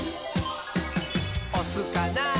「おすかな？